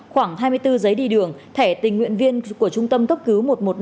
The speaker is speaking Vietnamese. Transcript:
khoảng hai mươi bốn giấy đi đường thẻ tình nguyện viên của trung tâm cấp cứu một một năm